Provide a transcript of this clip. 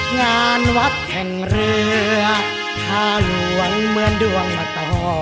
งานวัดแข่งเรือพาหลวนเหมือนดวงมาต่อ